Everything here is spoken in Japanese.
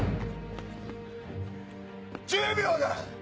１０秒だ！